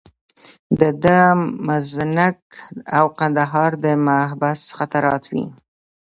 د ده مزنګ او کندهار د محبس خاطرات وې.